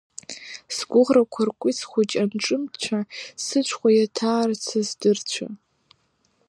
Сгәыӷрақәа ркәиц хәыҷ анҿымцәа, сыҽҳәа иаҭаарц са сдырцәа.